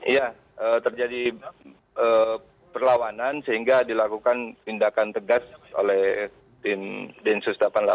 ya terjadi perlawanan sehingga dilakukan tindakan tegas oleh tim densus delapan puluh delapan